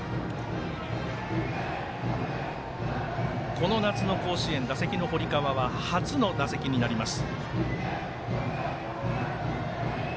この夏の甲子園打席の堀川は初の打席になります。